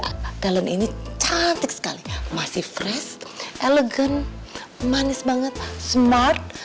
karena galon ini cantik sekali masih fresh elegan manis banget smart